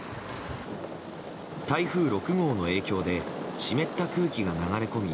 台風６号の影響で湿った空気が流れ込み